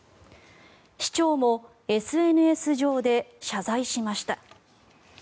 市長もＳＮＳ上で謝罪しました。